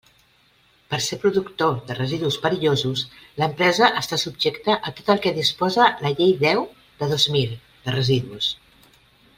Per ser productor de residus perillosos, l'empresa està subjecta a tot el que disposa la Llei deu de dos mil, de residus.